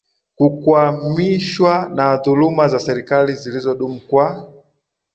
kukwamishwa na dhuluma za serikali zilizodumu kwa